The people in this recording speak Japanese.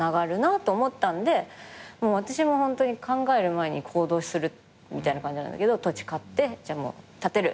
私もホントに考える前に行動するみたいな感じなんだけど土地買ってじゃあ建てる！